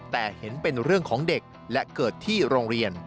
แต่เห็นเป็นเรื่องของเด็กและเกิดที่โรงเรียน